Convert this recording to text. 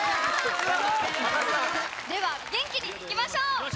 では元気にいきましょう！